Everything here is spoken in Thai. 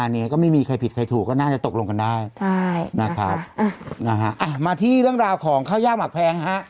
เอ่อมาที่เรื่องราวของข้าวย่ากหมากแพงฮะ